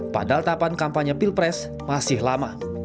padahal tahapan kampanye pilpres masih lama